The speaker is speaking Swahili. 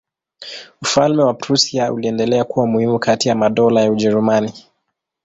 Ufalme wa Prussia uliendelea kuwa muhimu kati ya madola ya Ujerumani.